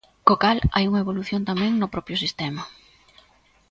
Co cal hai unha evolución tamén no propio sistema.